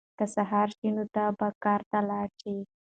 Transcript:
که سهار شي نو دی به کار ته لاړ شي.